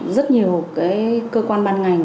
rất nhiều cơ quan ban ngành